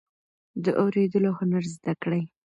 د اوریدلو هنر زده کړئ.